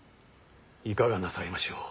いかがなさいましょう。